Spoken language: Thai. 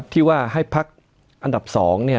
ที่ว่าให้พักอันดับสองเนี่ย